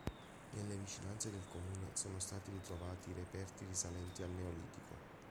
Nelle vicinanze del comune sono stati ritrovati reperti risalenti al Neolitico.